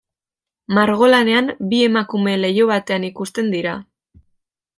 Margolanean bi emakume leiho batean ikusten dira.